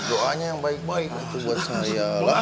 doanya yang baik baik itu buat saya